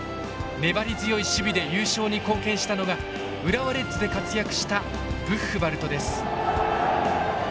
粘り強い守備で優勝に貢献したのが浦和レッズで活躍したブッフバルトです。